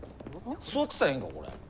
座ってたらええんかこれ？